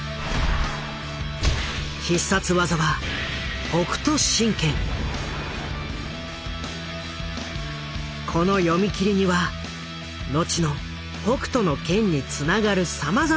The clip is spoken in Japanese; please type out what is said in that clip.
必殺技はこの読み切りには後の「北斗の拳」につながるさまざまな要素があった。